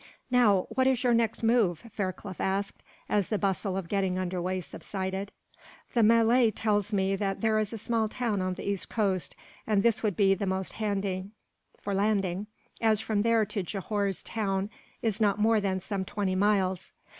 "Now, what is your next move?" Fairclough asked, as the bustle of getting under way subsided. "The Malay tells me that there is a small town on the east coast, and that this would be the most handy for landing, as from there to Johore's town is not more than some twenty miles.